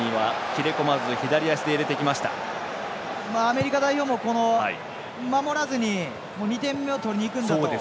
アメリカ代表も守らずに２点を取りにいくんだと。